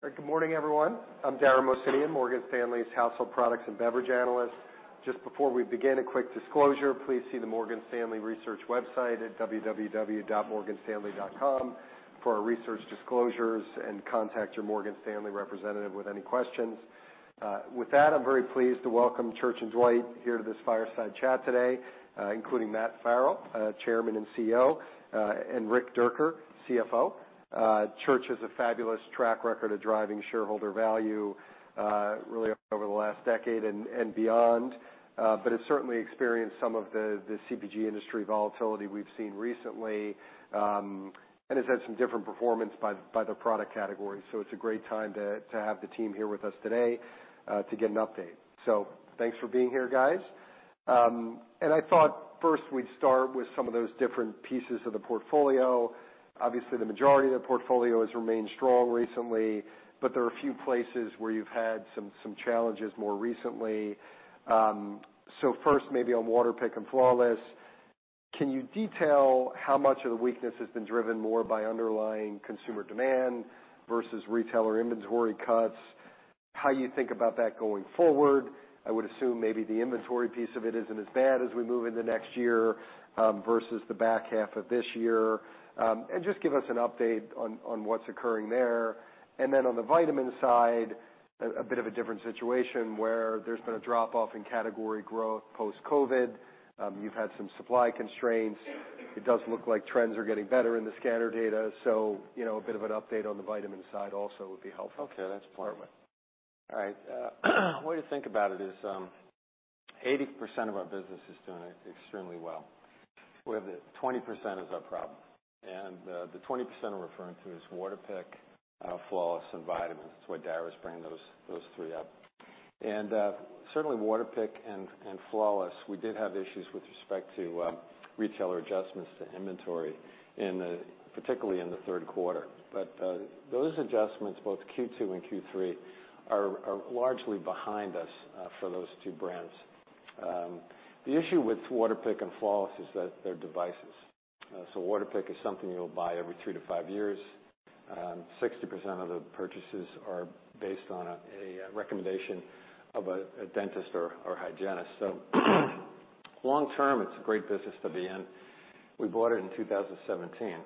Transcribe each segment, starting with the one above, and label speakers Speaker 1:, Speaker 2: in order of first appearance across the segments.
Speaker 1: Good morning, everyone. I'm Dara Mohsenian, Morgan Stanley's household products and beverage analyst. Just before we begin, a quick disclosure. Please see the Morgan Stanley Research website at www.morganstanley.com for our research disclosures, and contact your Morgan Stanley representative with any questions. With that, I'm very pleased to welcome Church & Dwight here to this fireside chat today, including Matthew Farrell, Chairman and CEO, and Rick Dierker, CFO. Church has a fabulous track record of driving shareholder value really over the last 10 years and beyond. It's certainly experienced some of the CPG industry volatility we've seen recently, and has had some different performance by the product category. It's a great time to have the team here with us today to get an update. Thanks for being here, guys. I thought first we'd start with some of those different pieces of the portfolio. Obviously, the majority of the portfolio has remained strong recently, but there are a few places where you've had some challenges more recently. First, maybe on Waterpik and Flawless, can you detail how much of the weakness has been driven more by underlying consumer demand versus retailer inventory cuts? How you think about that going forward? I would assume maybe the inventory piece of it isn't as bad as we move into next year versus the back half of this year. Just give us an update on what's occurring there. On the vitamin side, a bit of a different situation where there's been a drop-off in category growth post-COVID. You've had some supply constraints. It does look like trends are getting better in the scanner data. You know, a bit of an update on the vitamin side also would be helpful.
Speaker 2: Okay. That's plenty.
Speaker 1: All right.
Speaker 2: All right. Way to think about it is, 80% of our business is doing extremely well. We have the 20% is our problem. The 20% we're referring to is Waterpik, Flawless, and vitamins. That's why Dara's bringing those three up. Certainly Waterpik and Flawless, we did have issues with respect to retailer adjustments to inventory particularly in the third quarter. Those adjustments, both Q2 and Q3, are largely behind us for those two brands. The issue with Waterpik and Flawless is that they're devices. Waterpik is something you'll buy every 3-5 years. 60% of the purchases are based on a recommendation of a dentist or hygienist. Long term, it's a great business to be in. We bought it in 2017.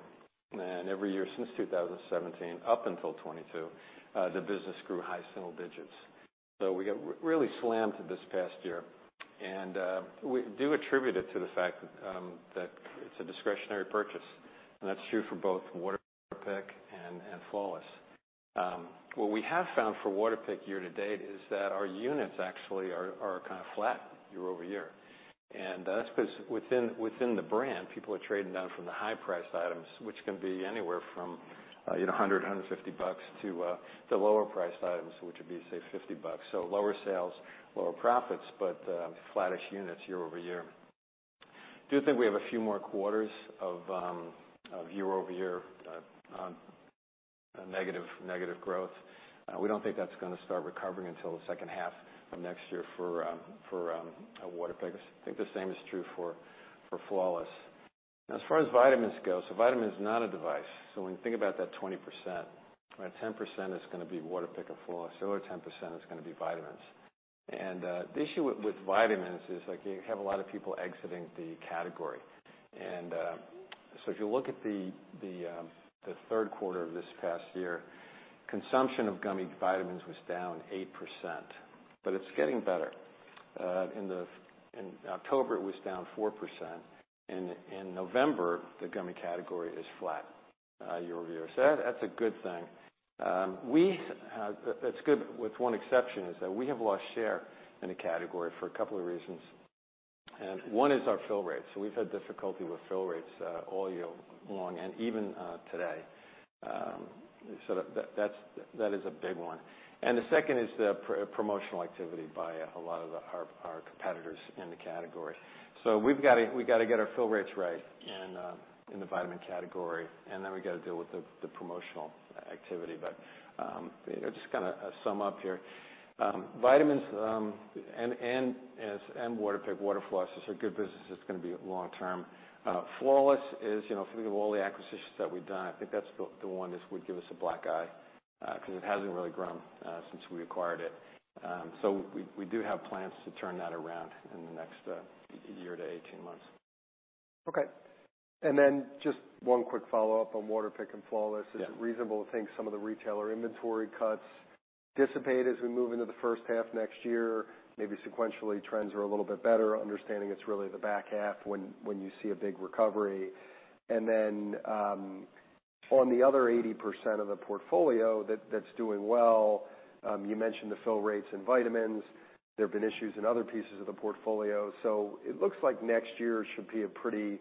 Speaker 2: Every year since 2017 up until 2022, the business grew high single digits. We got really slammed this past year. We do attribute it to the fact that it's a discretionary purchase, and that's true for both Waterpik and Flawless. What we have found for Waterpik year-to-date is that our units actually are kind of flat year-over-year. That's 'cause within the brand, people are trading down from the high-priced items, which can be anywhere from, you know, $100-$150 to the lower priced items, which would be, say, $50. Lower sales, lower profits, but flattish units year-over-year. Do think we have a few more quarters of year-over-year negative growth. We don't think that's gonna start recovering until the second half of next year for Waterpik. I think the same is true for Flawless. As far as vitamins go, vitamin is not a device. When you think about that 20%, about 10% is gonna be Waterpik and Flawless. The other 10% is gonna be vitamins. The issue with vitamins is, like, you have a lot of people exiting the category. If you look at the third quarter of this past year, consumption of gummy vitamins was down 8%, but it's getting better. In October, it was down 4%. In November, the gummy category is flat, year-over-year. That's a good thing. We that's good with one exception, is that we have lost share in the category for a couple of reasons. One is our fill rates. We've had difficulty with fill rates all year long and even today. That is a big one. The second is the promotional activity by a lot of the our competitors in the category. We gotta get our fill rates right in the vitamin category, and then we gotta deal with the promotional activity. You know, just kinda sum up here. Vitamins and Waterpik Water Flossers are good businesses, gonna be long term. Flawless is, you know, if you think of all the acquisitions that we've done, I think that's the one this would give us a black eye, 'cause it hasn't really grown, since we acquired it. We do have plans to turn that around in the next year to 18 months.
Speaker 1: Okay. Just one quick follow-up on Waterpik and Flawless.
Speaker 2: Yeah.
Speaker 1: Is it reasonable to think some of the retailer inventory cuts dissipate as we move into the first half next year? Maybe sequentially, trends are a little bit better, understanding it's really the back half when you see a big recovery. On the other eighty percent of the portfolio that's doing well, you mentioned the fill rates and vitamins. There have been issues in other pieces of the portfolio. It looks like next year should be a pretty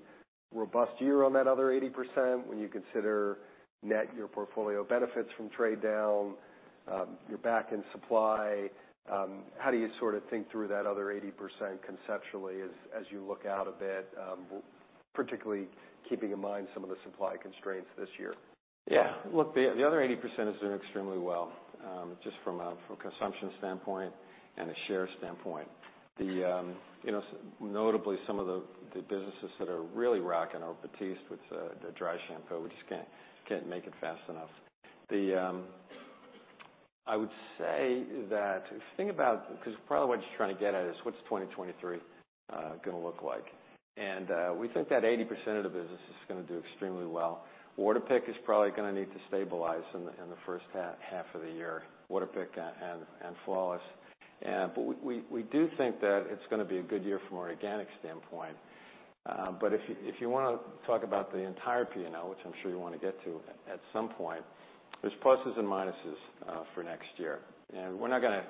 Speaker 1: robust year on that other eighty percent when you consider net your portfolio benefits from trade down, you're back in supply. How do you sorta think through that other eighty percent conceptually as you look out a bit, particularly keeping in mind some of the supply constraints this year?
Speaker 2: Yeah. Look, the other 80% is doing extremely well. Just from a consumption standpoint and a share standpoint. You know, notably some of the businesses that are really rocking are Batiste with the dry shampoo. We just can't make it fast enough. I would say that if you think about because probably what you're trying to get at is what's 2023 gonna look like. We think that 80% of the business is gonna do extremely well. Waterpik is probably gonna need to stabilize in the first half of the year, Waterpik and Floss. We do think that it's gonna be a good year from an organic standpoint. If you, if you wanna talk about the entire P&L, which I'm sure you wanna get to at some point, there's pluses and minuses for next year. We're not gonna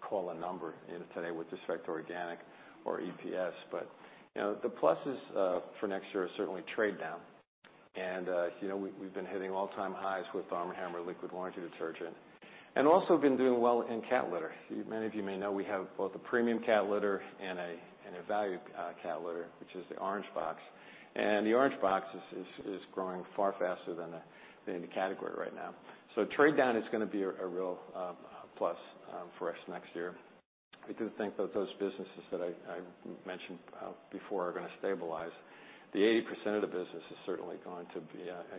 Speaker 2: call a number today with respect to organic or EPS. You know, the pluses for next year are certainly trade down. You know, we've been hitting all-time highs with ARM & HAMMER liquid laundry detergent, and also been doing well in cat litter. Many of you may know we have both a premium cat litter and a value cat litter, which is the Orange Box. The Orange Box is growing far faster than the category right now. Trade down is gonna be a real plus for us next year. We do think that those businesses that I mentioned before are gonna stabilize. The 80% of the business is certainly going to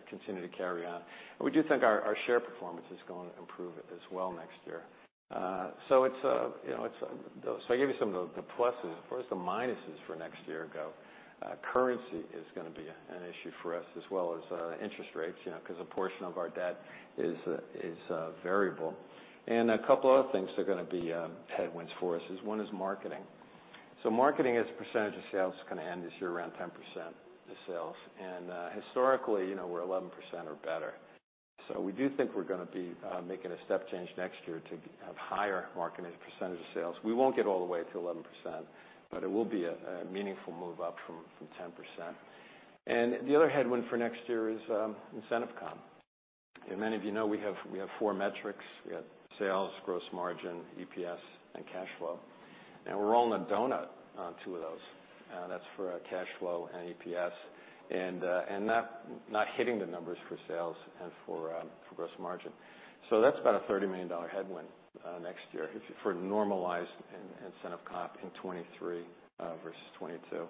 Speaker 2: continue to carry on. We do think our share performance is going to improve as well next year. you know, I gave you some of the pluses. What are some minuses for next year ago? Currency is gonna be an issue for us as well as interest rates, you know, because a portion of our debt is variable. A couple other things that are gonna be headwinds for us is one is marketing. Marketing as a percentage of sales is gonna end this year around 10% of sales. Historically, you know, we're 11% or better. We do think we're going to be making a step change next year to have higher marketing percentage of sales. We won't get all the way to 11%, but it will be a meaningful move up from 10%. The other headwind for next year is incentive comp. Many of you know, we have 4 metrics. We have sales, gross margin, EPS, and cash flow. We're all in a donut on 2 of those. That's for cash flow and EPS, and not hitting the numbers for sales and for gross margin. That's about a $30 million headwind next year for normalized incentive comp in 2023 versus 2022.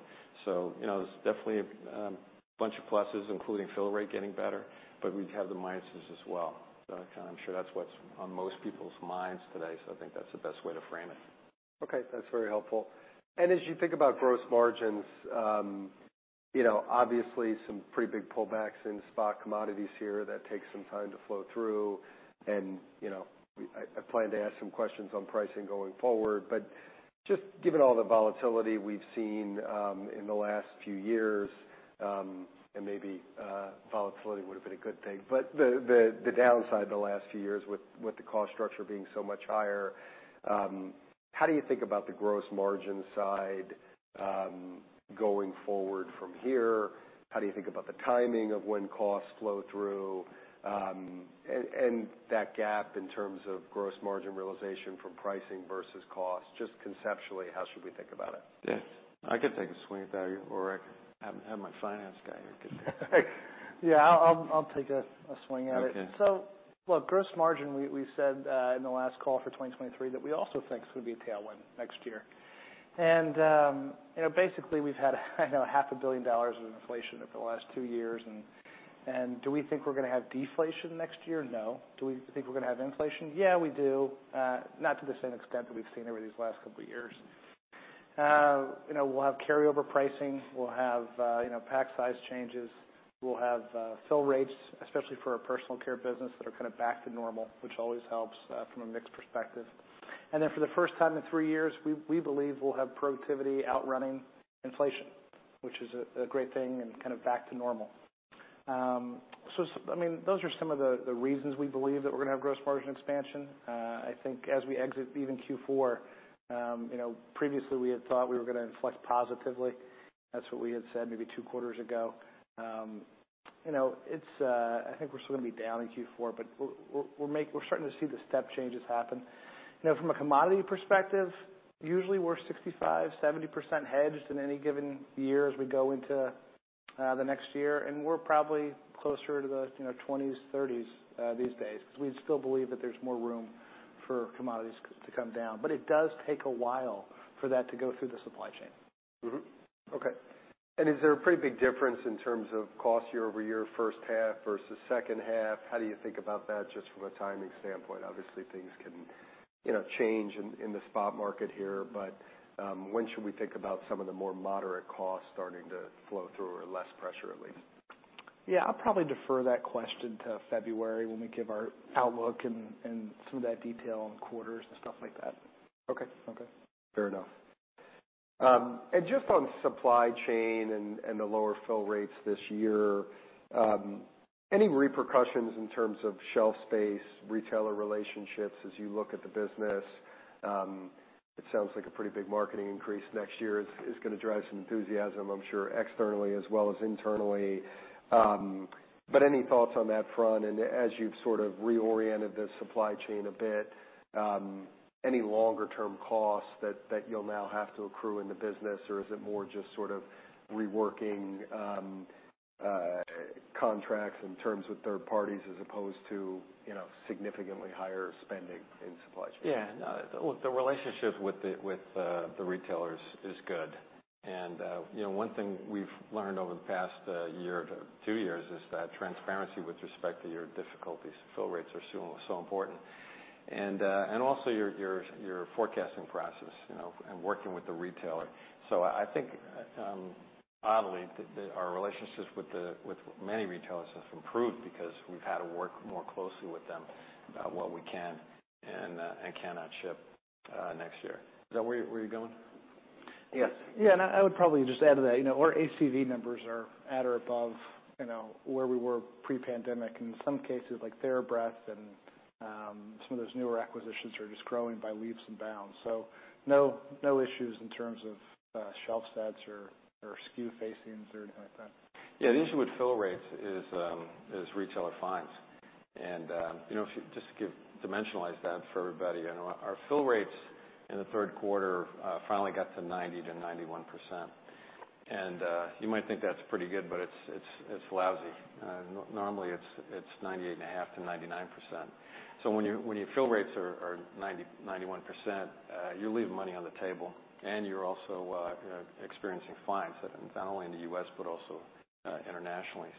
Speaker 2: You know, there's definitely a bunch of pluses, including fill rate getting better, but we have the minuses as well. I'm sure that's what's on most people's minds today, so I think that's the best way to frame it.
Speaker 1: Okay, that's very helpful. As you think about gross margins, you know, obviously some pretty big pullbacks in spot commodities here that takes some time to flow through. You know, I plan to ask some questions on pricing going forward. Just given all the volatility we've seen, in the last few years, and maybe volatility would have been a good thing. The downside in the last few years with the cost structure being so much higher, how do you think about the gross margin side, going forward from here? How do you think about the timing of when costs flow through, and that gap in terms of gross margin realization from pricing versus cost? Just conceptually, how should we think about it?
Speaker 2: Yes, I could take a swing at that or have my finance guy here get that.
Speaker 3: Yeah, I'll take a swing at it.
Speaker 2: Okay.
Speaker 3: Look, gross margin, we said in the last call for 2023 that we also think is gonna be a tailwind next year. you know, basically, we've had, I know, half a billion dollars of inflation over the last two years. Do we think we're gonna have deflation next year? No. Do we think we're gonna have inflation? Yeah, we do. not to the same extent that we've seen over these last couple of years. you know, we'll have carryover pricing, we'll have, you know, pack size changes, we'll have fill rates, especially for our personal care business, that are kind of back to normal, which always helps from a mix perspective. For the first time in three years, we believe we'll have productivity outrunning inflation, which is a great thing and kind of back to normal. I mean, those are some of the reasons we believe that we're gonna have gross margin expansion. I think as we exit even Q4, you know, previously we had thought we were gonna inflect positively. That's what we had said maybe two quarters ago. You know, it's, I think we're still gonna be down in Q4, but we're starting to see the step changes happen. You know, from a commodity perspective, usually we're 65%-70% hedged in any given year as we go into the next year, and we're probably closer to the, you know, 20s, 30s these days because we still believe that there's more room for commodities to come down. It does take a while for that to go through the supply chain.
Speaker 1: Okay. Is there a pretty big difference in terms of cost year-over-year, first half versus second half? How do you think about that just from a timing standpoint? Obviously, things can, you know, change in the spot market here. When should we think about some of the more moderate costs starting to flow through or less pressure at least?
Speaker 3: Yeah, I'll probably defer that question to February when we give our outlook and some of that detail on quarters and stuff like that.
Speaker 1: Okay. Okay. Fair enough. Just on supply chain and the lower fill rates this year, any repercussions in terms of shelf space, retailer relationships as you look at the business? It sounds like a pretty big marketing increase next year is gonna drive some enthusiasm, I'm sure, externally as well as internally. Any thoughts on that front? As you've sort of reoriented the supply chain a bit, any longer-term costs that you'll now have to accrue in the business, or is it more just sort of reworking contracts in terms with third parties, as opposed to, you know, significantly higher spending in supply chain?
Speaker 2: Yeah, no. Look, the relationship with the retailers is good. You know, one thing we've learned over the past year or 2 years is that transparency with respect to your difficulties, fill rates are so important. Also your forecasting process, you know, and working with the retailer. I think, oddly, that our relationships with many retailers has improved because we've had to work more closely with them about what we can and cannot ship next year. Is that where you're going?
Speaker 1: Yes.
Speaker 3: I would probably just add to that, you know, our ACV numbers are at or above, you know, where we were pre-pandemic. In some cases, like TheraBreath and some of those newer acquisitions are just growing by leaps and bounds. No, no issues in terms of shelf stats or SKU facings or anything like that.
Speaker 2: Yeah. The issue with fill rates is retailer fines. You know, just to dimensionalize that for everybody, you know, our fill rates in the third quarter finally got to 90%-91%. You might think that's pretty good, but it's, it's lousy. Normally, it's 98.5%-99%. When your, when your fill rates are 90%, 91%, you leave money on the table, and you're also, you know, experiencing fines, not only in the US, but also internationally.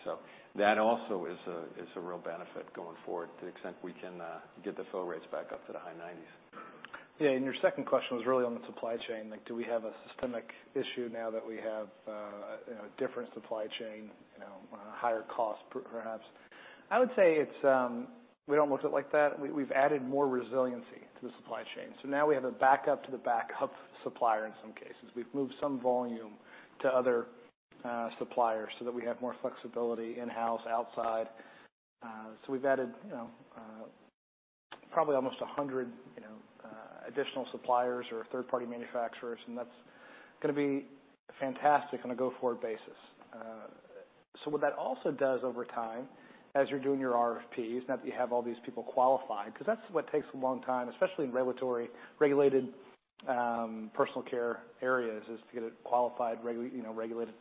Speaker 2: That also is a, is a real benefit going forward to the extent we can get the fill rates back up to the high 90s.
Speaker 3: Yeah. Your second question was really on the supply chain, like, do we have a systemic issue now that we have, you know, a different supply chain, you know, higher cost perhaps? I would say it's, we don't look at it like that. We've added more resiliency to the supply chain. Now we have a backup to the backup supplier in some cases. We've moved some volume to other suppliers so that we have more flexibility in-house, outside. We've added, you know, probably almost 100, you know, additional suppliers or third-party manufacturers, and that's gonna be fantastic on a go-forward basis. What that also does over time, as you're doing your RFPs, now that you have all these people qualified, because that's what takes a long time, especially in regulated personal care areas, is to get it qualified, you know, regulated,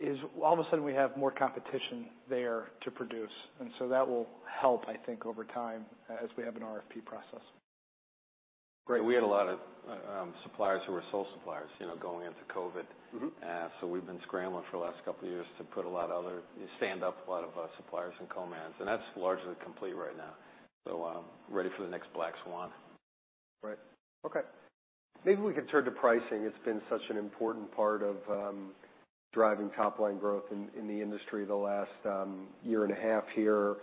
Speaker 3: is all of a sudden we have more competition there to produce. That will help, I think, over time as we have an RFP process.
Speaker 2: Great. We had a lot of, suppliers who were sole suppliers, you know, going into COVID. We've been scrambling for the last couple of years to stand up a lot of suppliers in co-mans. That's largely complete right now. Ready for the next black swan.
Speaker 3: Right. Okay.
Speaker 1: Maybe we can turn to pricing. It's been such an important part of driving top-line growth in the industry the last year and a half here.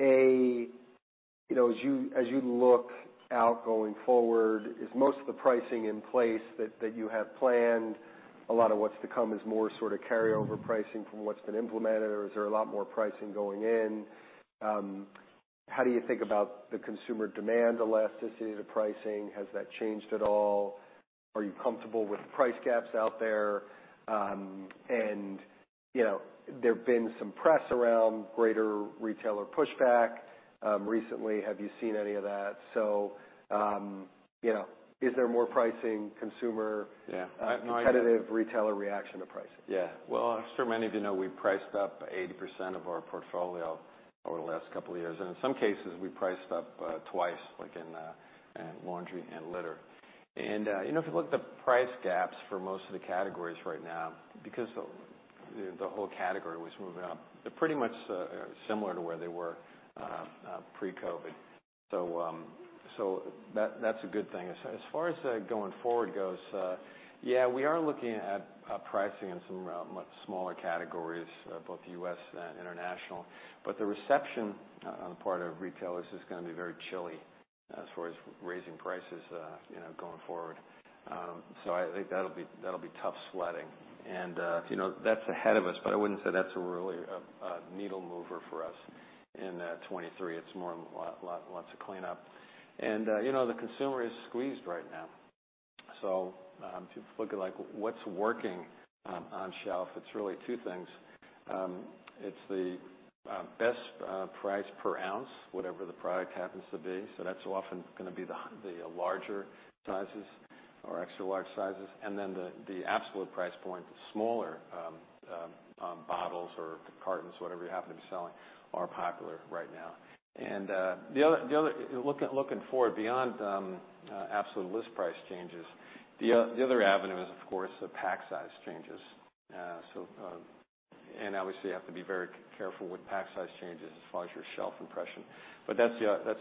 Speaker 1: A, you know, as you look out going forward, is most of the pricing in place that you have planned, a lot of what's to come is more sort of carryover pricing from what's been implemented, or is there a lot more pricing going in? How do you think about the consumer demand elasticity of the pricing? Has that changed at all? Are you comfortable with price gaps out there? And, you know, there have been some press around greater retailer pushback recently. Have you seen any of that? You know, is there more pricing.
Speaker 2: Yeah.
Speaker 1: competitive retailer reaction to pricing?
Speaker 2: Well, as many of you know, we priced up 80% of our portfolio over the last couple of years. In some cases, we priced up twice, like in laundry and litter. You know, if you look at the price gaps for most of the categories right now, because the, you know, the whole category was moving up, they're pretty much similar to where they were pre-COVID. That's a good thing. As far as going forward goes, yeah, we are looking at pricing in some much smaller categories, both US and international. The reception on the part of retailers is gonna be very chilly as far as raising prices, you know, going forward. I think that'll be tough sledding. you know, that's ahead of us, but I wouldn't say that's really a needle mover for us in 2023. It's more lots of cleanup. you know, the consumer is squeezed right now. if you look at, like, what's working on shelf, it's really two things. It's the best price per ounce, whatever the product happens to be, so that's often gonna be the larger sizes or extra large sizes. then the absolute price point, the smaller bottles or cartons, whatever you happen to be selling, are popular right now. the other looking forward beyond absolute list price changes, the other avenue is, of course, the pack size changes. Obviously, you have to be very careful with pack size changes as far as your shelf impression. That's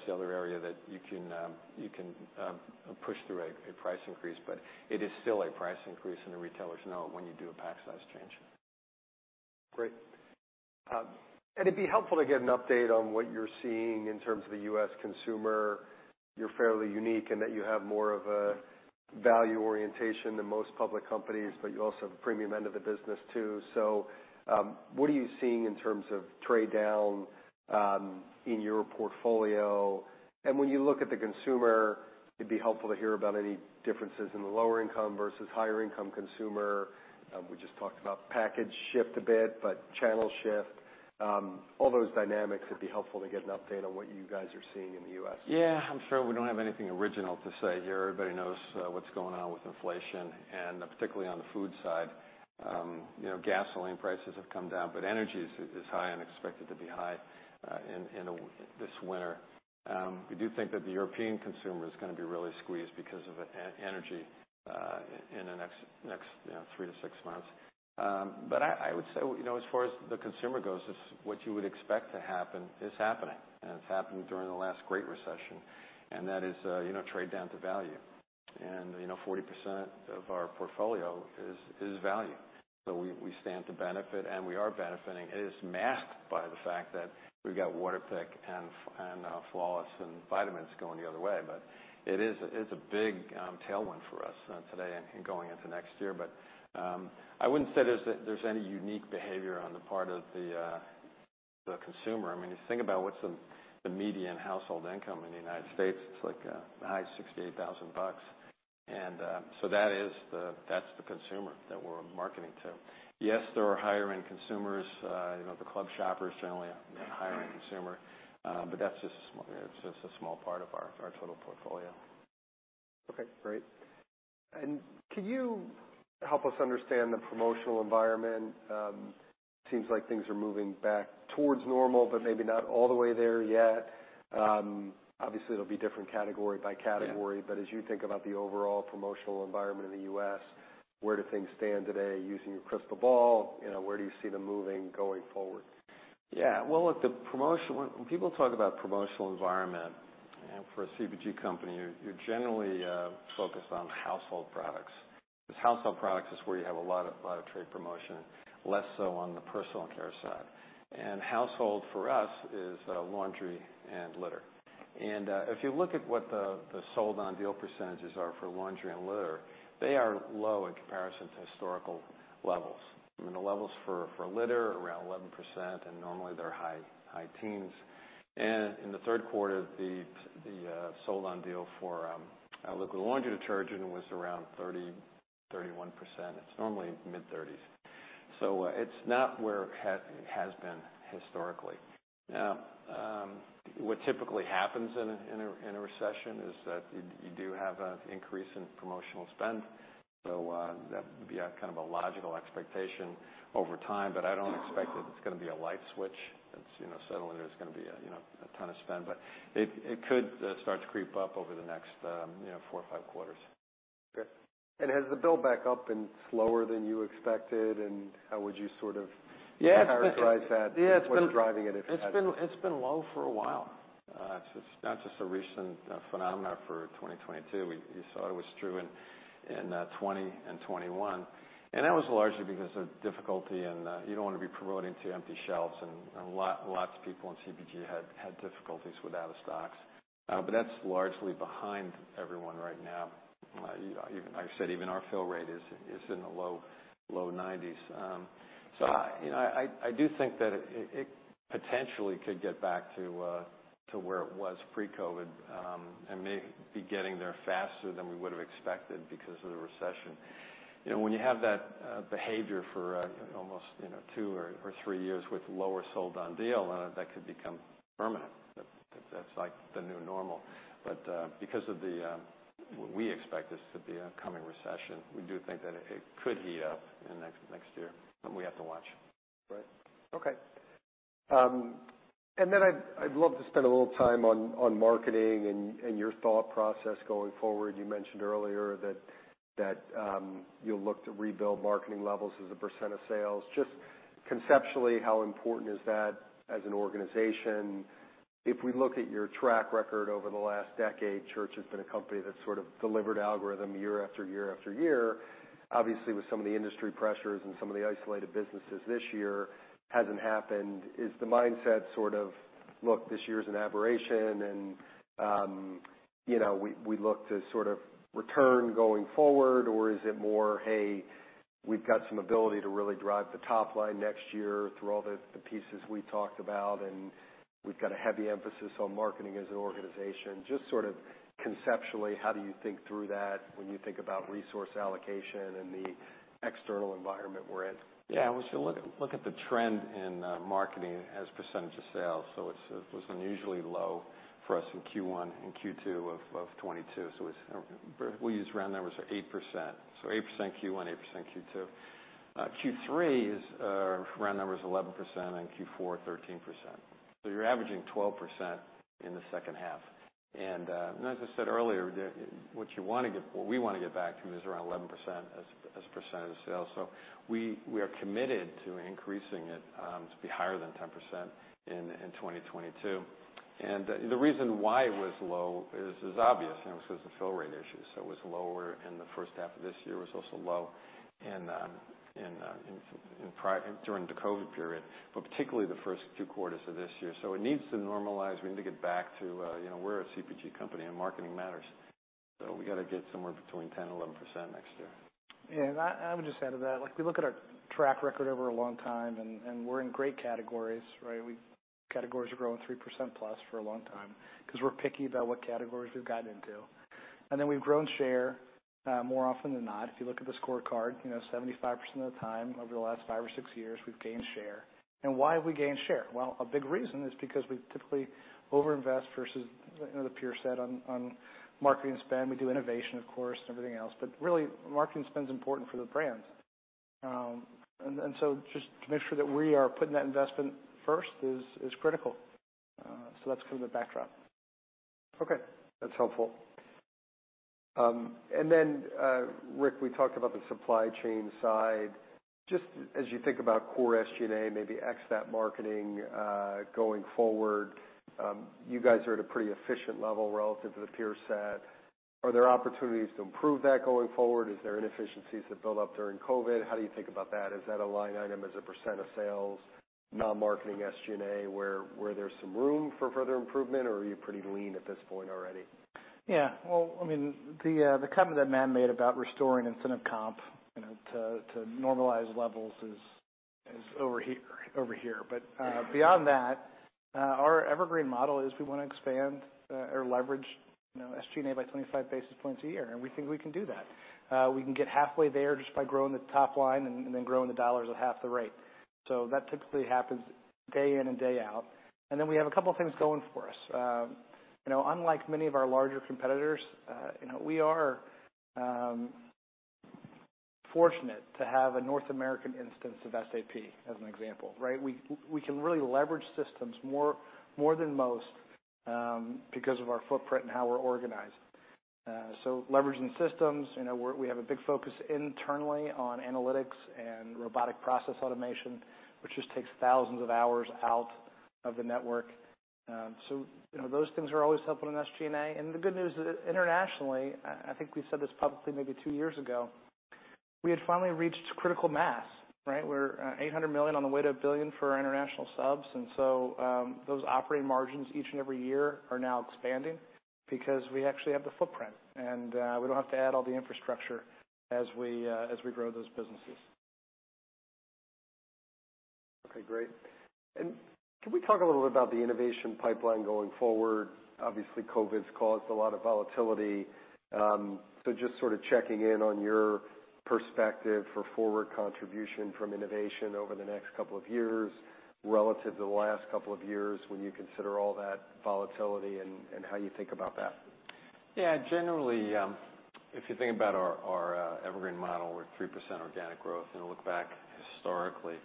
Speaker 2: the other area that you can push through a price increase. It is still a price increase, and the retailers know it when you do a pack size change.
Speaker 1: Great. It'd be helpful to get an update on what you're seeing in terms of the U.S. consumer. You're fairly unique in that you have more of a value orientation than most public companies, but you also have the premium end of the business, too. What are you seeing in terms of trade down in your portfolio? When you look at the consumer, it'd be helpful to hear about any differences in the lower income versus higher income consumer. We just talked about package shift a bit, but channel shift. All those dynamics, it'd be helpful to get an update on what you guys are seeing in the U.S.
Speaker 2: Yeah, I'm sure we don't have anything original to say here. Everybody knows what's going on with inflation and particularly on the food side. You know, gasoline prices have come down, but energy is high and expected to be high this winter. We do think that the European consumer is gonna be really squeezed because of energy in the next, you know, 3 to 6 months. I would say, you know, as far as the consumer goes, what you would expect to happen is happening, and it's happened during the last great recession, and that is, you know, trade down to value. You know, 40% of our portfolio is value. We stand to benefit, and we are benefiting. It is masked by the fact that we've got Waterpik and Flawless and vitamins going the other way. It is, it's a big tailwind for us today and going into next year. I wouldn't say there's any unique behavior on the part of the consumer. I mean, you think about what's the median household income in the United States, it's like a high of $68,000. So that's the consumer that we're marketing to. There are higher end consumers, you know, the club shopper is generally a higher end consumer, but that's just a small part of our total portfolio.
Speaker 1: Okay, great. Can you help us understand the promotional environment? Seems like things are moving back towards normal, but maybe not all the way there yet. Obviously, it'll be different category by category.
Speaker 2: Yeah.
Speaker 1: As you think about the overall promotional environment in the U.S., where do things stand today using your crystal ball? You know, where do you see them moving going forward?
Speaker 2: Yeah. Well, look, the promotion When people talk about promotional environment, you know, for a CPG company, you're generally focused on household products. Because household products is where you have a lot of trade promotion, less so on the personal care side. Household for us is laundry and litter. If you look at what the sold on deal percentages are for laundry and litter, they are low in comparison to historical levels. I mean, the levels for litter are around 11%, and normally they're high teens. In the third quarter, the sold on deal for liquid laundry detergent was around 30%-31%. It's normally mid-30s. It's not where it has been historically. What typically happens in a recession is that you do have an increase in promotional spend. That would be a kind of a logical expectation over time, but I don't expect that it's gonna be a light switch that's, you know, suddenly there's gonna be a, you know, a ton of spend. It could start to creep up over the next, you know, 4 or 5 quarters.
Speaker 1: Okay. Has the build back up been slower than you expected? How would you sort of...
Speaker 2: Yeah, it's been-
Speaker 1: characterize that?
Speaker 2: Yeah, it's been-
Speaker 1: What's driving it?
Speaker 2: It's been low for a while. It's not just a recent phenomena for 2022. You saw it was true in 2020 and 2021. That was largely because of difficulty in you don't wanna be promoting to empty shelves, and lots of people in CPG had difficulties with out of stocks. That's largely behind everyone right now. I said even our fill rate is in the low 90s. I, you know, I do think that it potentially could get back to where it was pre-COVID. May be getting there faster than we would've expected because of the recession. You know, when you have that, behavior for, almost, you know, two or three years with lower sold on deal, that could become permanent. That's like the new normal. Because of the, we expect this to be a coming recession, we do think that it could heat up in next year. We have to watch. Right?
Speaker 1: Okay. Then I'd love to spend a little time on marketing and your thought process going forward. You mentioned earlier that you'll look to rebuild marketing levels as a % of sales. Just conceptually, how important is that as an organization? If we look at your track record over the last decade, Church has been a company that sort of delivered algorithm year after year after year. Obviously, with some of the industry pressures and some of the isolated businesses this year, hasn't happened. Is the mindset sort of, look, this year's an aberration and, you know, we look to sort of return going forward? Or is it more, hey, we've got some ability to really drive the top line next year through all the pieces we talked about, and we've got a heavy emphasis on marketing as an organization? Just sort of conceptually, how do you think through that when you think about resource allocation and the external environment we're in?
Speaker 2: Yeah. Once you look at, look at the trend in marketing as percentage of sales, it was unusually low for us in Q1 and Q2 2022. We'll use round numbers, 8%. 8% Q1, 8% Q2. Q3 is round number is 11%, Q4, 13%. You're averaging 12% in the second half. As I said earlier, what we wanna get back to is around 11% as percent of sales. We are committed to increasing it to be higher than 10% in 2022. The reason why it was low is obvious. You know, it was the fill rate issue, so it was lower in the first half of this year. It was also low in during the COVID period, but particularly the first 2 quarters of this year. It needs to normalize. We need to get back to, you know, we're a CPG company and marketing matters. We gotta get somewhere between 10 and 11% next year.
Speaker 3: Yeah. I would just add to that, like, we look at our track record over a long time and we're in great categories, right? Categories are growing 3% plus for a long time because we're picky about what categories we've got into. We've grown share more often than not. If you look at the scorecard, you know, 75% of the time over the last 5 or 6 years, we've gained share. Why have we gained share? Well, a big reason is because we typically over-invest versus, you know, the peer set on marketing spend. We do innovation, of course, and everything else, but really, marketing spend is important for the brands. Just to make sure that we are putting that investment first is critical. That's kind of the backdrop.
Speaker 1: Okay, that's helpful. Rick, we talked about the supply chain side. Just as you think about core SG&A, maybe ex that marketing, going forward, you guys are at a pretty efficient level relative to the peer set. Are there opportunities to improve that going forward? Is there inefficiencies that built up during COVID? How do you think about that? Is that a line item as a % of sales, non-marketing SG&A, where there's some room for further improvement, or are you pretty lean at this point already?
Speaker 3: Well, I mean, the comment that Matt made about restoring incentive comp, you know, to normalize levels is over here. Beyond that, our evergreen model is we wanna expand or leverage, you know, SG&A by 25 basis points a year, and we think we can do that. We can get halfway there just by growing the top line and then growing the dollars at half the rate. That typically happens day in and day out. We have a couple of things going for us. You know, unlike many of our larger competitors, you know, we are fortunate to have a North American instance of SAP as an example, right? We can really leverage systems more than most because of our footprint and how we're organized. So leveraging systems, you know, we have a big focus internally on analytics and robotic process automation, which just takes thousands of hours out of the network. So, you know, those things are always helpful in SG&A. The good news is, internationally, I think we said this publicly maybe 2 years ago, we had finally reached critical mass, right? We're $800 million on the way to $1 billion for our international subs. Those operating margins each and every year are now expanding because we actually have the footprint, and we don't have to add all the infrastructure as we grow those businesses.
Speaker 1: Okay, great. Can we talk a little bit about the innovation pipeline going forward? Obviously, COVID's caused a lot of volatility. Just sort of checking in on your perspective for forward contribution from innovation over the next couple of years relative to the last couple of years when you consider all that volatility and how you think about that.
Speaker 2: Yeah. Generally, if you think about our evergreen model, we're at 3% organic growth. You look back historically,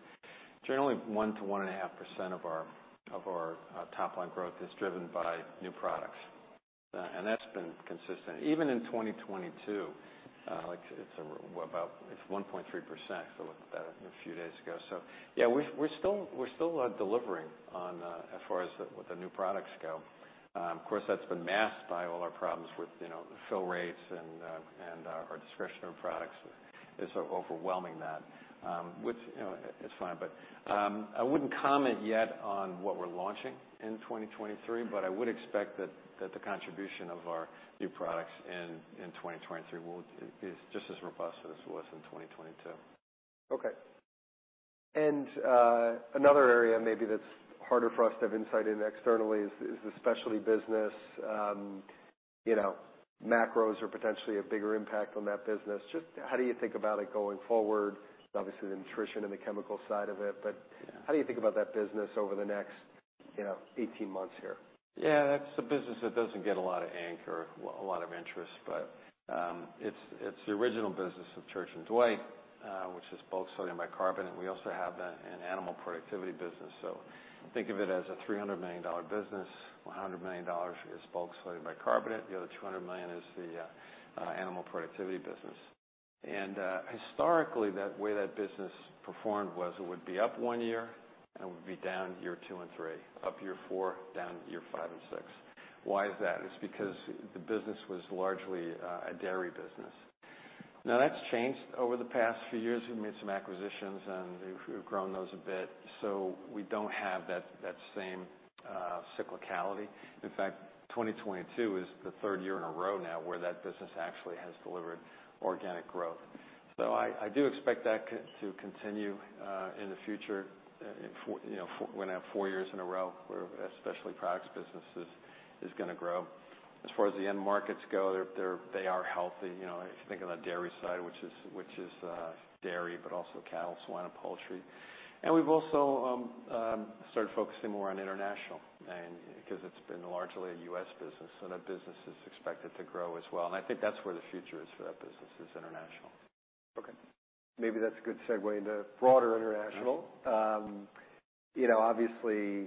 Speaker 2: generally 1%-1.5% of our, of our top line growth is driven by new products. That's been consistent. Even in 2022, like it's 1.3%. I looked at that a few days ago. Yeah, we're still delivering on as far as what the new products go. Of course, that's been masked by all our problems with, you know, fill rates and our discretionary products is overwhelming that, which, you know, is fine. I wouldn't comment yet on what we're launching in 2023, but I would expect that the contribution of our new products in 2023 is just as robust as it was in 2022.
Speaker 1: Okay. Another area maybe that's harder for us to have insight in externally is the specialty business. You know, macros are potentially a bigger impact on that business. Just how do you think about it going forward? Obviously, the nutrition and the chemical side of it, but how do you think about that business over the next, you know, 18 months here?
Speaker 2: That's a business that doesn't get a lot of ink or a lot of interest, but it's the original business of Church & Dwight, which is bulk sodium bicarbonate. We also have an animal productivity business. Think of it as a $300 million business. $100 million is bulk sodium bicarbonate. The other $200 million is the animal productivity business. Historically, the way that business performed was it would be up 1 year, and it would be down year 2 and 3, up year 4, down year 5 and 6. Why is that? It's because the business was largely a dairy business. That's changed over the past few years. We've made some acquisitions, and we've grown those a bit, so we don't have that same cyclicality. In fact, 2022 is the third year in a row now where that business actually has delivered organic growth. I do expect that to continue in the future, you know, when four years in a row where especially products businesses is gonna grow. As far as the end markets go, they are healthy. You know, if you think on the dairy side, which is dairy, but also cattle, swine, and poultry. We've also started focusing more on international 'cause it's been largely a U.S. business, that business is expected to grow as well. I think that's where the future is for that business, is international.
Speaker 1: Maybe that's a good segue into broader international. You know, obviously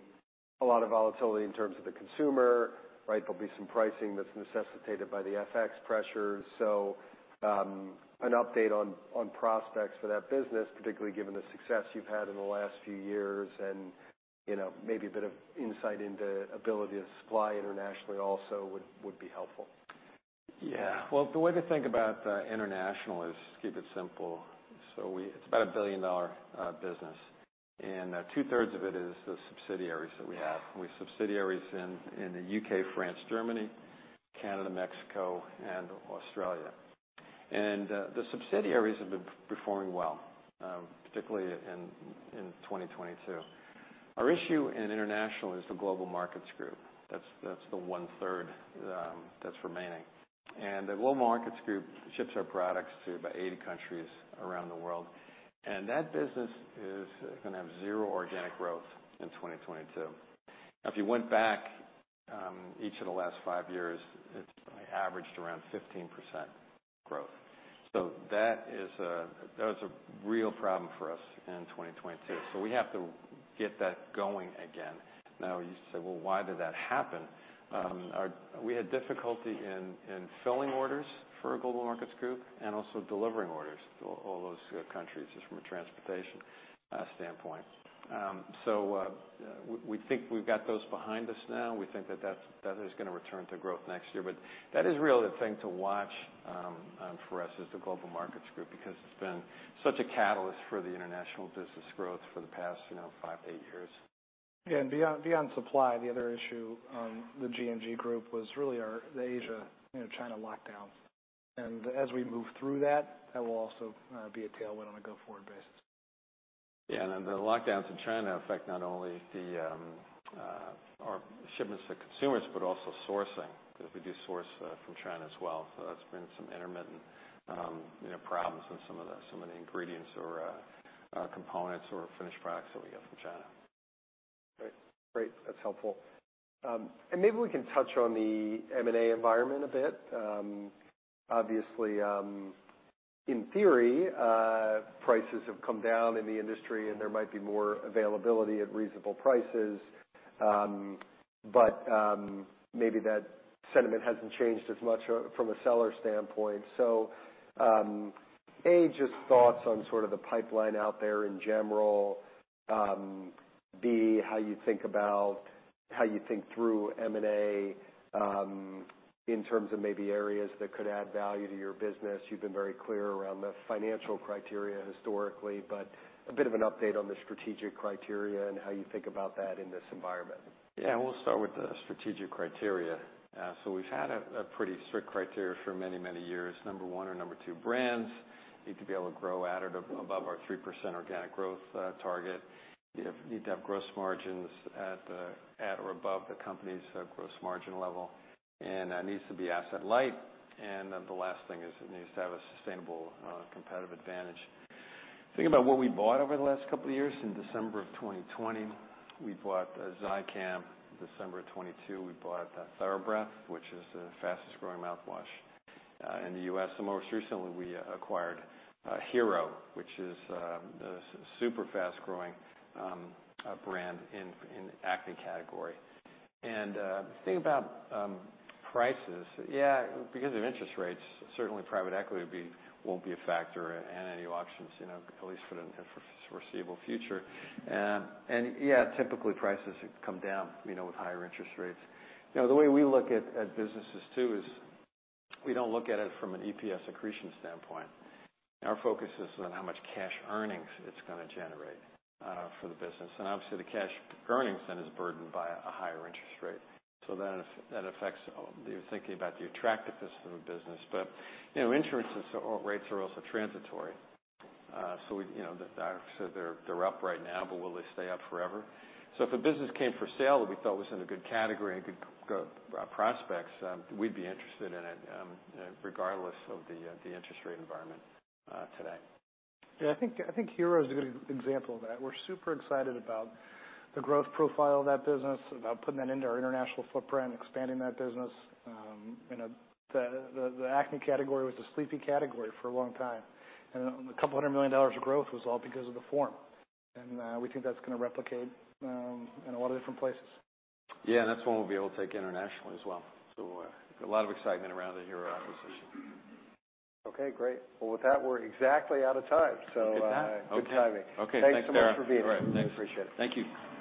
Speaker 1: a lot of volatility in terms of the consumer, right? There'll be some pricing that's necessitated by the FX pressures. An update on prospects for that business, particularly given the success you've had in the last few years and, you know, maybe a bit of insight into ability to supply internationally also would be helpful.
Speaker 2: Yeah. Well, the way to think about international is keep it simple. It's about a billion dollar business, and 2/3 of it is the subsidiaries that we have. We have subsidiaries in the UK, France, Germany, Canada, Mexico, and Australia. The subsidiaries have been performing well, particularly in 2022. Our issue in international is the Global Markets Group. That's the 1/3 that's remaining. The Global Markets Group ships our products to about 80 countries around the world. That business is gonna have zero organic growth in 2022. Now, if you went back, each of the last five years, it's averaged around 15% growth. That was a real problem for us in 2022. We have to get that going again. You say, "Well, why did that happen?" We had difficulty in filling orders for our Global Markets Group and also delivering orders to all those countries just from a transportation standpoint. We think we've got those behind us now. We think that is gonna return to growth next year. That is really the thing to watch for us is the Global Markets Group, because it's been such a catalyst for the international business growth for the past, you know, 5, 8 years.
Speaker 3: Yeah, and beyond supply, the other issue, the GNG group was really our, the Asia, you know, China lockdown. As we move through that will also be a tailwind on a go-forward basis.
Speaker 2: The lockdowns in China affect not only the, our shipments to consumers, but also sourcing, because we do source, from China as well. That's been some intermittent, you know, problems in some of the, some of the ingredients or, components or finished products that we get from China.
Speaker 1: Great. Great. That's helpful. Maybe we can touch on the M&A environment a bit. Obviously, in theory, prices have come down in the industry, and there might be more availability at reasonable prices. Maybe that sentiment hasn't changed as much from a seller standpoint. A, just thoughts on sort of the pipeline out there in general. B, how you think about how you think through M&A, in terms of maybe areas that could add value to your business. You've been very clear around the financial criteria historically, but a bit of an update on the strategic criteria and how you think about that in this environment.
Speaker 2: Yeah, we'll start with the strategic criteria. We've had a pretty strict criteria for many, many years. Number one or number two brands need to be able to grow at or above our 3% organic growth, target. Need to have gross margins at or above the company's gross margin level, and needs to be asset light. The last thing is it needs to have a sustainable, competitive advantage. Think about what we bought over the last couple of years. In December of 2020, we bought Zicam. December of 2022, we bought TheraBreath, which is the fastest growing mouthwash in the U.S. Most recently, we acquired Hero, which is a super fast-growing brand in acne category. Think about prices. Because of interest rates, certainly private equity won't be a factor in any auctions, you know, at least for the foreseeable future. Typically prices come down, you know, with higher interest rates. You know, the way we look at businesses too is we don't look at it from an EPS accretion standpoint. Our focus is on how much cash earnings it's gonna generate for the business. Obviously, the cash earnings then is burdened by a higher interest rate. That affects the thinking about the attractiveness of a business. You know, interest rates are also transitory. You know, so they're up right now, but will they stay up forever? If a business came for sale that we thought was in a good category and good prospects, we'd be interested in it, regardless of the interest rate environment today.
Speaker 3: Yeah, I think Hero is a good example of that. We're super excited about the growth profile of that business, about putting that into our international footprint, expanding that business. you know, the acne category was a sleepy category for a long time, and $200 million of growth was all because of the form. we think that's gonna replicate in a lot of different places.
Speaker 2: Yeah, and that's one we'll be able to take internationally as well. A lot of excitement around the Hero acquisition.
Speaker 1: Okay, great. Well, with that, we're exactly out of time.
Speaker 2: Look at that.
Speaker 1: Good timing.
Speaker 2: Okay. Okay, thanks, Dara.
Speaker 1: Thanks so much for being here.
Speaker 2: All right, thanks.
Speaker 1: Appreciate it.
Speaker 2: Thank you.